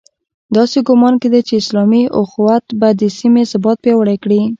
داسې ګومان کېده چې اسلامي اُخوت به د سیمې ثبات پیاوړی کړي.